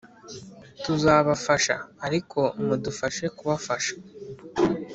«tuzabafasha. ariko mudufashe kubafasha!»